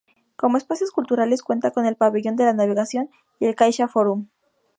Como espacios culturales, cuenta con el pabellón de la Navegación y el CaixaForum.